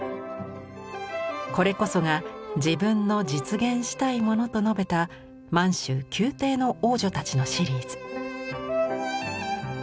「これこそが自分の実現したいもの」と述べた「満州宮廷の王女たち」のシリーズ。